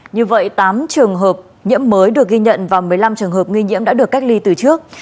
như vậy tám trường hợp nhiễm mới được ghi nhận và một mươi năm trường hợp nghi nhiễm đã được cách ly từ trước